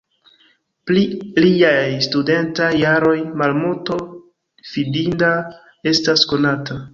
Pri liaj studentaj jaroj malmulto fidinda estas konata.